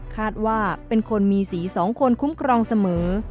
คาดว่าเป็นคนมีสีสองคนคุ้มครองเสมอ